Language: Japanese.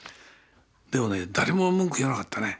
でもね誰も文句言わなかったね。